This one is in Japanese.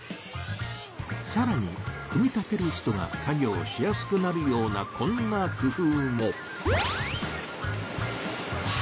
さらに組み立てる人が作業しやすくなるようなこんな工夫も！